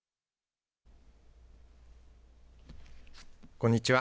こんにちは。